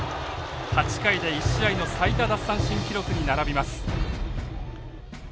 ８回で１試合の最多奪三振記録に並びます。